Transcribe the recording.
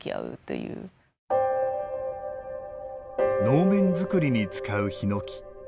能面作りに使うヒノキ。